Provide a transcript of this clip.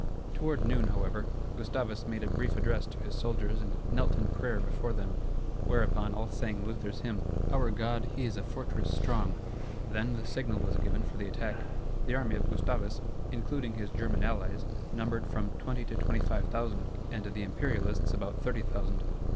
Toward noon, however, Gustavus made a brief address to his soldiers and knelt in prayer before them, whereupon all sang Luther's hymn, "Our God he is a fortress strong." Then the signal was given for the attack. The army of Gustavus, including his German allies, numbered from twenty to twenty five thousand, and the Imperialists about thirty thousand.